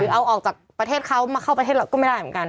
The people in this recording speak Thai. เอาออกจากประเทศเขามาเข้าประเทศเราก็ไม่ได้เหมือนกัน